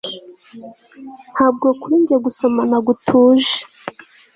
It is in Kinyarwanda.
ntabwo kuri njye gusomana gutuje